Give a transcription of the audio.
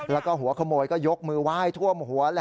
แล้วก็หัวขโมยก็ยกมือไหว้ท่วมหัว